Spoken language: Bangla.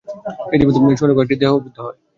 ইতোমধ্যে কয়েকটি তীর তার দেহে বিদ্ধ হয়।